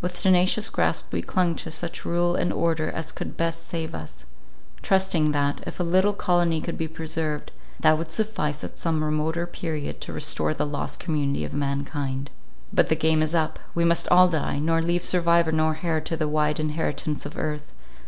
With tenacious grasp we clung to such rule and order as could best save us; trusting that, if a little colony could be preserved, that would suffice at some remoter period to restore the lost community of mankind. But the game is up! We must all die; nor leave survivor nor heir to the wide inheritance of earth.